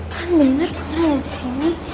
kan bener pangaran ada disini